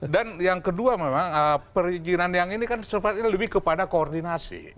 dan yang kedua memang perizinan yang ini kan sepertinya lebih kepada koordinasi